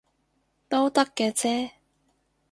都得嘅啫